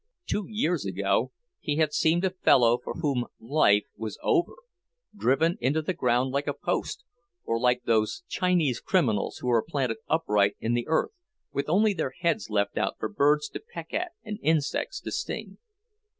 Two years ago he had seemed a fellow for whom life was over; driven into the ground like a post, or like those Chinese criminals who are planted upright in the earth, with only their heads left out for birds to peck at and insects to sting.